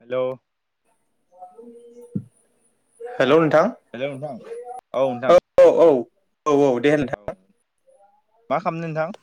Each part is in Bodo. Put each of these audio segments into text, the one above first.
हेल' हेल' नों हेल' नोंथां औ नोंथां। औ औ औ औ दे नोंथां। मा खालामनो नोंथां?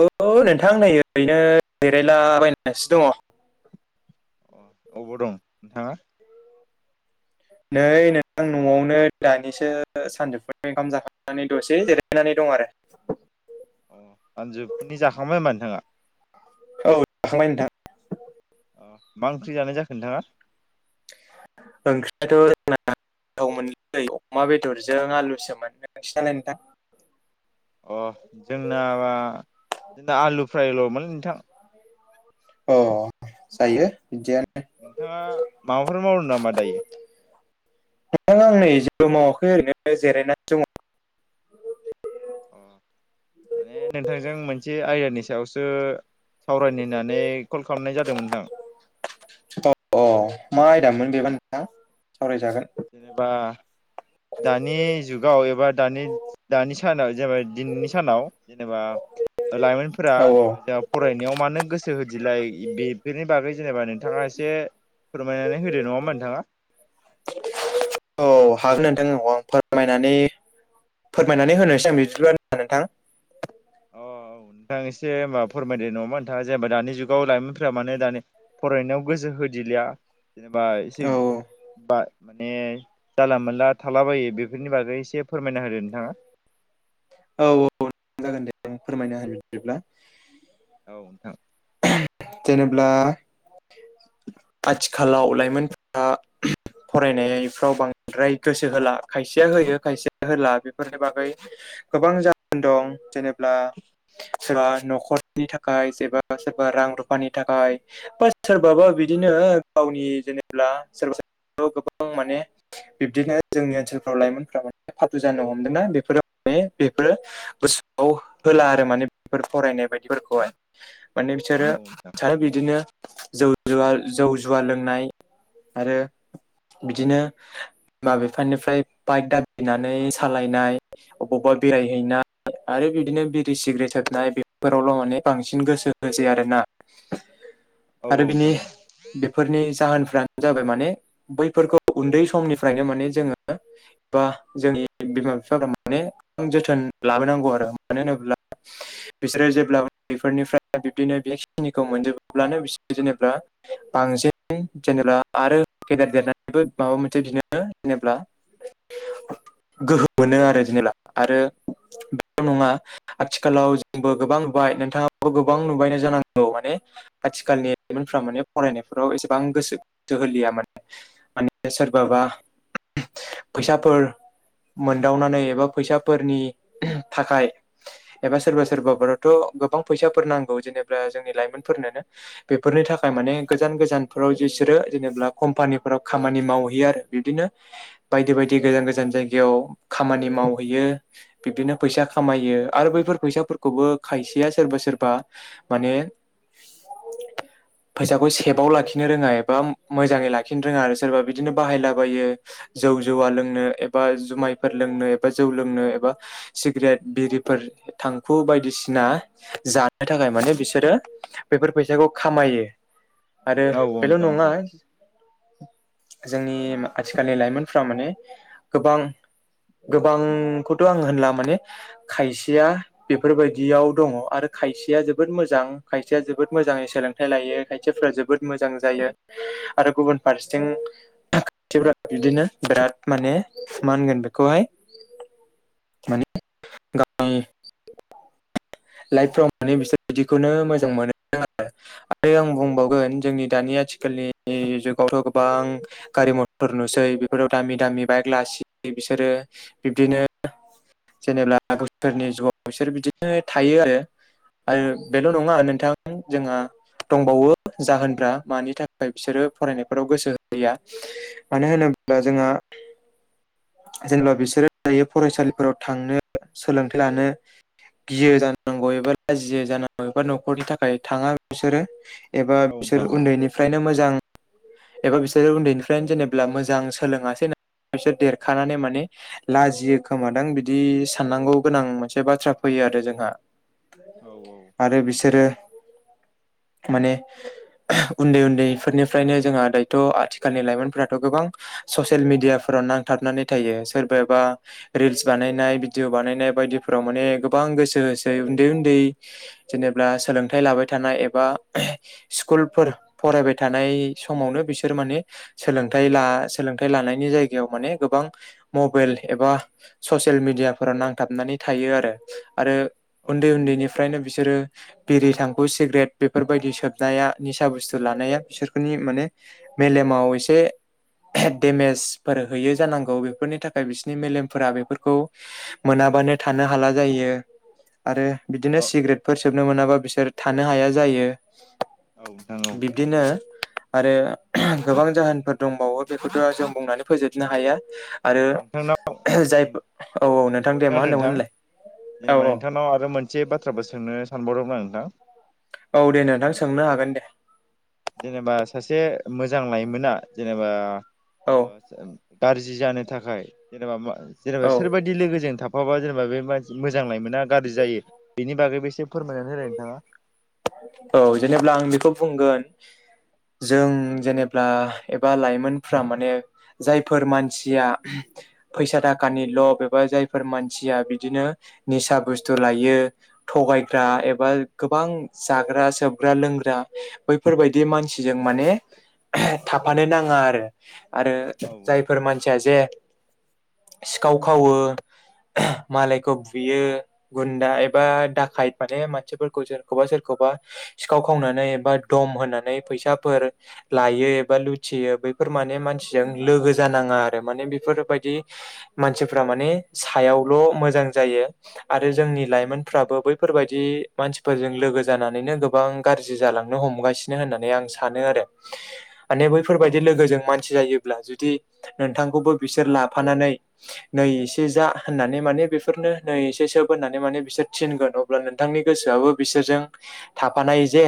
औ नोंथां नै ओरैनो जेरायलाबायनासो दङ'। अबाव दं नोंथाङा? नै नोंथां न'आवनो दानिसो सानजौफु ओंखाम जाखांनानै दसे जिरायनानै दं। दं आरो। अ सानजौफुनि जाखांबाय होमबा नोंथाङा औ जाखांबाय नोंथां। मा ओंख्रि जानाय जाखो नोंथांआ? ना [unintelligible] मोनलै अमा बेदरजों आलुसो मोन नोंसिनालाय नोंथां? अ जोंनाबा जोंना आलु फ्रायल'मोन नोंथां। अ जायो बिदिया। नोंथाङा माबाफोर मावो नामा दायो? नोंथां आं नै जेबो मावाखै ओरैनो जिरायनानै दङ'। अ माने नोंथांजों मोनसे मोनसे आयदानि सायावसो सावरायनायनानै कल खालामनाय जादोंमोन नोंथां। अ मा आयदामोन बेबा नोंथां? सावरायजागोन जेनेबा दानि जुगाव एबा दानि दानि सानाव जेनेबा दिनैनि सानाव जेनेबा लाइमोनफोरा औ जा फरायनायाव मानो गोसो गोसो होदिलाय बेफोरनि बागै जेनेबा नोंथाङा एसे फोरमायनानै होदो नङा होमबा नोंथाङा? [inaudible] औ हागोन नोंथां औ आं फोरमायनानै फोरमायनानै होनोसै आं बिदिब्ला नोंथां। अ नोंथां एसे होनबा फोरमायदों नङाबा नोंथाङा जेनेबा दानि जुगाव लाइमोनफोरा मानो दानि फरायनायाव गोसो होदिलिया जेनेबा एसे औ बा माने जानला मोनला थालाबायो बेफोरनि बागै एसे फोरमायना होदो नोंथाङा। औ औ जागोन दे फोरमायना होनि बिदिब्ला। औ नोंथां। जेनब्ला आथिखालाव लाइमोनफोरा फरायनायफ्राव बांद्राय गोसो होला खायसेया होयो खायसेया होला बेफोरनि बागै गोबां जाहोन दं जेनेबा सोरबा न'खरनि थाखाय सोरबा सोरबा रां रुफानि थाखाय बा सोरबाबा बिदिनो गावनि जेंना सोरबा सोर गोबां माने बिब्दिनो जोंनि ओनसोलफ्राव लाइमोनफोरा माने फालथु जानो हमदोंना बेफोराव माने बेफोर गोसोआव होला आरो माने बेफोर फरायनाय बायदिफोरखौहाय माने बिसोरो सानो बिदिनो जौ जुवा जौ जुवा लोंनाय आरो बिदिनो बिमा बिफानिफ्राय बाइक दाबिनानै सालायनाय अबावबा बेरायहैनाय आरो बिदिनो बिरि सिग्रेट होबनाय बेफोरावल' माने बांसिन गोसो होसै आरोना। [inaudible] आरो बेनि नोंथां औ बेफोरनि जाहोन फ्रानो जाबाय मानि बैफोरखौ उन्दै समनिफ्रायनो मानि जोङो बा जोंनि बिमा बिफाफ्रा माने जोथोन लाबोनांगौ आरो मानो होनोब्ला बिसोरो जेब्ला बेफोरनिफ्राय बिब्दिनो बिखिनिखौ मोनजोबबोब्लानो बिसोर जेनेब्ला बांसिन जेनेबा आरो गेदेर देरनानैबो माबा मोनसे बिनो होनोब्ला [inaudible] गोहो मोनो आरो जेनोब्ला आरो बेल' नङा आथिखालाव जोंबो गोबां गोबां नोंथांआबो गोबां नुबाय जांगौ माने आथिखालनि लाइमोनफ्रा माने फरायनायफोराव एसेबां गोसो होलिया माने माने सोरबा बा फैसाफोर मोनदावनानै एबा फैसाफोरनि थाखाय एबा सोरबा सोरबा फोराथ' गोबां फैसाफोर नांगौ जेनोबबला जोंनि लाइमोनफोरनो [inaudible] बेफोरनि थाखाय माने गोजान गोजानफोराव बिसोरो जेनेबा कम्पानिफोराव खामानि मावहैयो आरो बिदिनो बायदि बायदि गोजान गोजान जायगायाव खामानि मावहैयो बिब्दिनो फैसा खामायो यो आरो बैफोर फैसाफोरखौबो खायसेया सोरबा सोरबा मानि [inaudible] फैसाखौ सेफआव लाखिनो रोङा एबा मोजाङै लाखिनो रोङा आरो सोरबा बिदिनो बाहायलाबायो जौ जुवा लोंनो एबा जुमायफोर लोंनो एबा जौ लोंनो एबा सिग्रेट बिरिफोर थांखु बायदिसिना जानो थाखाय माने बिसोरो बेफोर फैसाखौ खामायो आरो औ बेल' नोंथां नङा औ नोंथां औ जोंनि आथिखालनि लाइमोनफोरा माने गोबां गोबांखौथ' आं होनला माने खायसेया बेफोरबायदिआव दं आरो खायसेया जोबोद मोजां खायसेया जोबोद मोजाङै सोलों थायाइ लायो खायसेफोरा जोबोद मोजां जायो आरो गुबुन फारसेथिं बिदिनो बिराद मानि मा होनगोन बिखौहाय [inaudible] माने गावनि [inaudible] लाइफफ्राव माने बिसोर बिदिखौनो मोजां मोनो आरो आरो आं बुंबावगोन जोंनि दानि आथिखालनि जुगावथ' गोबां गारि मथर नुसै बेफोराव दामि दामि बाइक लासै बिसोरो बिब्दिनो जेनेब्ला गावसोरनि जुगाव बिसोर बिदिनो थायो आरो आरो बेल' नङा नोंथां जोंहा दंबावो जाहोनफ्रा मानि थाखाय बिसोरो फरायनायफोराव गोसो होया मानो होनोब्ला होनोब्ला जोंहा जेनेबा बिसोरो दायो फरायसालिफोराव थांनो सोलोंथायाइ लानो गियो जानांगौ एबा लाजियो जानांगौ एबा न'खरनि थाखाय थांआ बिसोरो एबा औ बिसोर नोंथां औ उन्दैनिफ्रायनो मोजां एबा बिसोरो उन्दैनिफ्रायनो जेनेबा मोजां सोलोंङासै न बिसोर देरखानानै माने लाजियो खोमादां बिदि साननांगौ गोनां मोनसे बाथ्रा फैयो जादों जोंहा आरो बिसोरो मानि उन्दै उन्दैफोरनिफ्रायनो जोंहा दायथ' आथिखालनि लाइमोनफोराथ' गोबां गोबां ससियेल मिडिया फोराव नांथाबनानै थायो सोरबा बा रिल्स बानायनाय भिडिअ बानायनाय नाय बायदिफोराव माने गोबां गोसो होसै उन्दै उन्दै जेनेबा सोलोंथाइ लाबाय थानाय एबा बा स्कुलफोर फरायबाय थानाय समावनो बिसोर माने सोलोंथाइ ला सोलोंथाइ लानायनि जायगायाव माने गोबां मबेइल एबा ससियेल मिडियाफोराव नांथाबना नानै थायो आरो आरो उन्दै उन्दैनिफ्रायनो बिसोरो बिरि थांखु सिग्रेट बेफोरबायदि सोबनाया निसा बुसथु लानाया बिसोरखौनि मानि मेलेमाव एसे देमेजफोर होयो जानांगौ बेफोरनि थाखाय बिसोरनि मेलेमफोरा बेफोरखौ मोना मोनाबानो थानो हाला जायो आरो बिदिनो औ सिगरेटफोर सोबनो मोनाबा बिसोर थानो हाया जायो। औ नोंथां औ नोंथां औ नोंथां औ बिब्दिनो आरो गोबां जाहोनफोर दंबावो बेखौथ' जों बुंनानै फोजोबनो हाया। आरो नोंथांनाव जायब नों औ औ नोंथां दे मा खोनादों होनदोंमोन नोंथां होनलाय? औ जेनेबा नोंथांनाव आरो मोनसे बाथ्राबो सोंनो सानबावदोंमोन आं नोंथां औ दे नोंथां सोंनो हागोन दे जेनेबा सासे मोजां लाइमोना जेनेबा औ ओ सों गारजि जानो थाखाय जेनेबा मा जेनेबा औ सोर बादि लोगोजों थाफाबा जेनेबा बेबादि मोज जां लायमोना गारजि जायो बेनि बागैबो एसे फोरमायनानै होनाय नोंथाङा? अ औ जेनेब्ला आं बेखौ बुंगोन जों जेनेब्ला एबा लाइमोनफ्रा माने जायफोर मानसिया फैसा थाखानिल' एबा जायफोर मानसिया बिदिनो निसा बुस्थु लायो थगायग्रा एबा गोबां जाग्रा सोबग्रा लोंग्रा बैफोरबायदि मानसिजों माने थाफानो नांङा आरो आरो होलाय जायफोर मानसिया जे सिखाव खावो मालायखौ बुयो गुन्दा एबा दाखाइट माने मानसिफोरखौ सोरखौबा सोर खौबा सिखाव खावनानै एबा दम होनानै फैसाफोर लायो एबा लुथियोब बेफोर माने मानसिजों लोगो जानाङा आरो माने बेफोर बायदि मानसिफोरा माने साइद नुनायावल' मोजां जायो आरो जोंनि नोंथाङा लाइमोनफोराबो बैफोरबायदि मानसिफोरजों लोगोज जानानैनो गोबां गारजि जालांनो हमगासिनो होननानै आं सानो आरो माने औ बैफोरबायदि लोगोजों मान जिरायोब्ला जुदि नोंथांखौबो बिसोर लाफानानै नै एसे जा होननानै माने बेफोरनो नै एसे सोब होननानै माने बिसोर थिनगोन अब्ला नोंथांनि गोसोआबो बिसोरजों थाफानाय जे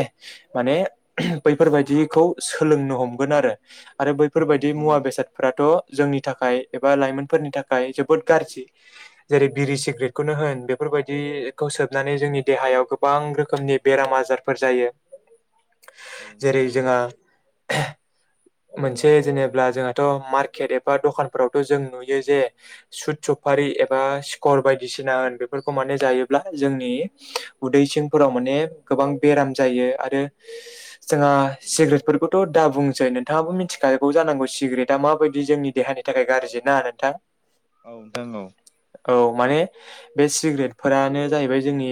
माने बैफोरबायदिखौ सोलोंनो हमगोन आरो आरो बैफोरबायदि नोंथां औ नोंथां मुवा औ बेसादफोराथ' जोंनि थाखाय एबा लाइमोनफोरनि थाखाय जोबोद गारजि जेरै बिरि सिग्रेटखौनो होन बेफोर बेफोरबायदिखौ सोबनानै जोंनि देहायाव गोबां रोखोमनिब बेराम आजारफोर जायो नोंथां औ नोंथां जेरै औ जोंहा [inaudible] मोनसे जेनेब्ला जोंहाथ' मार्केट एबा दखानफोरावथ' जों नुयो जे सुट सफारि ए एबा सिखर बायदिसिना होन बेफोरखौ माने जायोब्ला जोंनि उदै सिंफोराव माने गोबां बेराम जायो आरो जोंहा सिग्रेटफोरखौथ' दाबुंसै नोंथाङाबो मिथि गायगौ जानांगौ सिगरेटआ माबायदि जोंनि देहानि थाखाय गारजि ना नोंथां औ नोंथां औ औ माने बे सिग्रेटफोरानो जाहैबाय जोंनि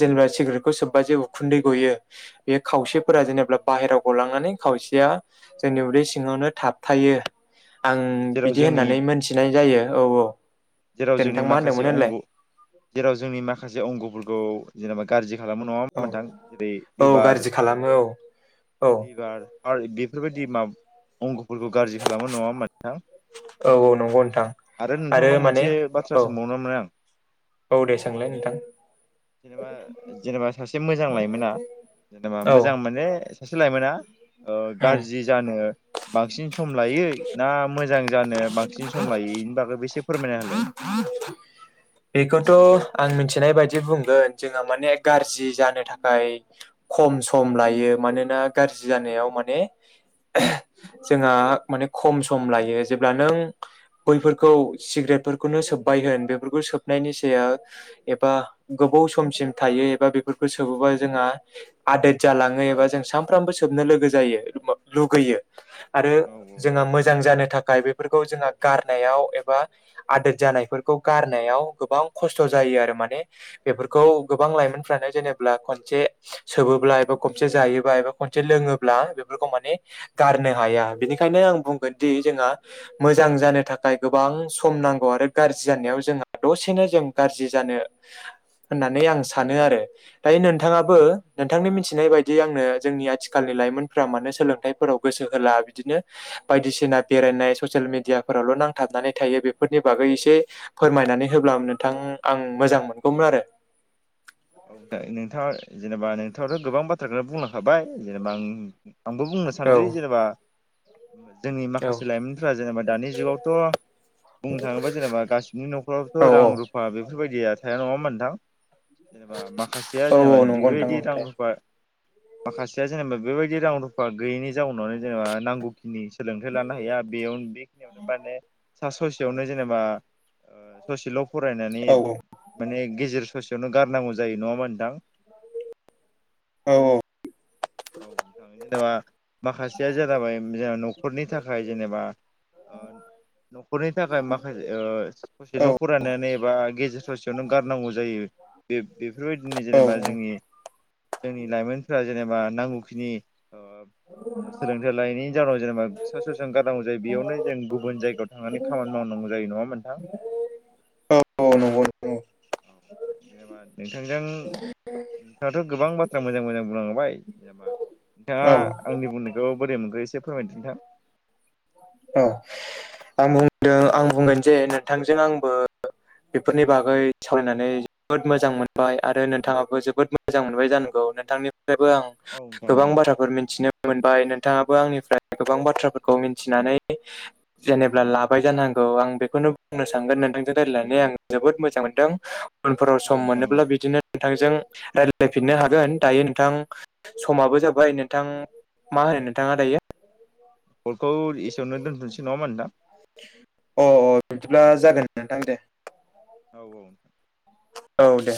जेनेबा सिग्रेटखौ सोब बा जेबो उखुन्दै गयो बे खावसेफोरा जेनेब्ला बाहेराव गलांनानै खावसेया जोंनि उ उदै बे सिङावनो थाबथायो आं औ जेराव बिदि जोंनि होननानै मोनथिनाय जायो औ औ जेराव दे जोंनि नोंथां मा माखासे होनदोंमोन होनलाय अंगु जेराव जोंनि माखासे अंगुफोरखौ जेनेबा गारजि खालामो नङा होनबा औ नोंथां जेरै औ लिभार गाज्रि खालामो औ औ लिभार आर बेफोरबायदि माब अंगफोरखौ गारजि खालामो नङा होमबा नोंथां? औ औ नंगौ नोंथां आरो मान से बाथ्रा सोंबावनो मोन आं औ दे सोंलाय नोंथां जेनेबा जेनेबा सासे मोजां लाइमोना जेनेबा औ मोजां माने सासे लाइ मोना ओ उम गारजि जानो बांसिन सम लायो ना मोजां जानो बांसिन सम लायो इनि बागैबो एसे फोरमायना होल बेखौथ' आं मिन्थिनाय बायदि बुंगोन जोंहा माने गारजि जानो थाखाय खम सम लायो। यो मानोना गाज्रि जानायाव माने जोंहा माने खम सम लायो जेब्ला नों बैफोरखौ सिग्रेटफोरखौनो सोब्बाय होन बेफोरखौ सोबनायनि साया एबा गोबाव समसिम थायो एबा बेफोरखौ सोबोबा जोंहा आदोद जालाङो एबा जों सानफ्रामबो सोबनो लु लोगो जायो म लुगैयो आरो औ जोंहा मोजां जानो थाखाय बे फोरखौ जोंहा गारनायाव एबा आदोद जानायफोरखौ गारनायाव गोबाव खस्थ' जायो आरो। माने बेफोरखौ गोबां लाइमोनफ्रानो जेनेब्ला खनसे सोबोब्ला एबा खनसे जायोबा एबा खनसे लोङोब्ला बेफोरखौ माने गारनो हाया। बेनिखायनो आं बुंगोन दि जोंहा मोजां जानो थाखाय गोबां सम नांगौ आरो गारजि जानायाव जोंहा दसेनो जों गारजि जा नो होननानै आं सानो आरो। दायो औ नोंथाङाबो नोंथांनि मिथि थिनायबायदि आंनो जोंनि आथिखालनि लाइमोनफोरा मानो सोलोंथाइफोराव गोसो होला बिदिनो बायदिसिन ना बेरायनाय सयेलमेडिया फोरावल' नांथाबनानै थायो बेफोरनि बागै एसे फोरमायनानै होब्ला नोंथां आं मोजां मोनगौमोन आरो। [unintelligible] ओ नोंथाङा जेनेबा नोंथाङाथ' गोबां बाथ्राखौनो बुंलांखाबाय जेनेबा आं आंबो बुंनो औ सानदि जेनेबा जोंनि औ माखासे लाइमोनफोरा जेनेबा दानि जुगावथ' बुंनो थाङोबा जेनेबा गासिबनिबो न'खरावथ' रां औ रुफा बे बेफोरबायदिया थाया नङा होनबा नोंथां? जेनेबा माखासेया औ औ जेनेबा नंगौ नोंथां बेबायदि औ रां खोथाया रुफा माखासेया जेनेबा बेबायदि रां रूफा गैयिनि जाउनावनो जेनेबा नांगौखिनि सोलोंथाइ लानो हाया बेयाव बेखिनियावनो माने सा ससेयावनो जे जेनेबा ओ ससेल' फरायनानै औ माने गेजेर ससेयावनो गारनांगौ जायो नङा होनबा नोंथां? औ औ नोंथां जेनेबा माखासेया जा जाबाय जेनेबा न'खरनि थाखाय जेनेबा ओ न'खरनि थाखाय माखा ओ औ ससेल' फरायनानै एबा गेजेर ससेयावनो गारनांगौ जायो। बे-बेफोरबायदिनो औ जेनेबा जोंनि जोंनि लाइमोनफोरा जेनेबा नांगौखिनि ओ सोलोंथाइ लायिनि जाहोनाव जेनेबा सा स'सेयावनो गारांगौ जायो। बेयावनो जों गुबुन जायगायाव थांनानै खामानि मावनांगौ नुजायो नङा होनबा नोंथां? औ औ नंगौ नोंथां। [unintelligible] जेनेबा नोंथांजों नोंथाङाथ' गोबां बाथ्रा मोजां मोजां बुंला बाय जेनबा नोंथाङा औ आंनि बुंनायखौ बोरै मोनखो एसे फोरमायदो नोंथां। ओ आं बुंदों आं बुंगोन जे नोंथांजों आंबो बेफोरनि बागै सावरायनानै जोबोद मोजां मोनबाय। आरो नोंथाङाबो जोबोद मोजां मोनबाय जानांगौ। नोंथांनि फायबो आं औ नोंथां गोबां औ बाथ्राफोर मिथिनो मोनबाय। नोंथाङाबो आंनिफ्राय गोबां बाथ्राफोरखौ मि थिनानै जेनेबा लाबाय जानांगौ। आं बेखौनो बुंनो सानगोन नोंथांजों रायलायनानै आङो जोबोद मोजां मोनदों उनफोराव औ सम नोंथां औ मोनोब्ला बिदिनो नोंथांजों राय्लायफिननो हागोन दायो नोंथां समाबो जाबाय नोंथां। मा होनो नोंथाङा दायो? कलखौ एसेयावनो दोनथ'नोसै नङा होनबा नोंथां? अ अ बिदिब्ला जागोन नोंथां दे। औ औ। औ दे।